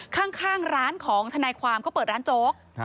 ข้างร้านของทนายความเขาเปิดร้านโจ๊ก